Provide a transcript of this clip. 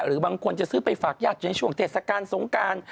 หรือบางคนจะซื้อไปฝากญาติในช่วงเทศกาลสงการ